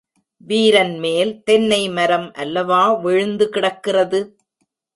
வீரன் மேல் தென்னை மரம் அல்லவா விழுந்து கிடக்கிறது!